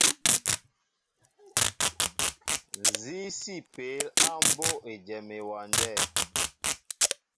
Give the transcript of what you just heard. Nzi si peel á mbóʼ éjem ewándέ ?